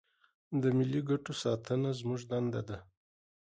د ملي ګټو ساتنه زموږ دنده ده.